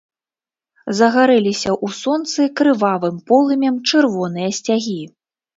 Загарэліся ў сонцы крывавым полымем чырвоныя сцягі.